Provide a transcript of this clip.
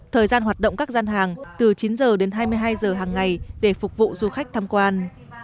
thời gian hoạt động các gian hàng từ chín h đến hai mươi hai h hàng ngày để phục vụ du khách tham quan